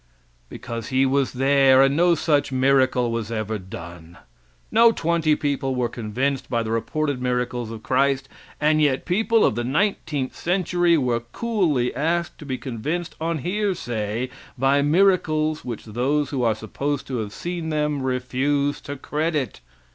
Because he was there, and no such miracle was ever done. No twenty people were convinced by the reported miracles of Christ, and yet people of the nineteenth century were coolly asked to be convinced on hearsay by miracles which those who are supposed to have seen them refuse to credit.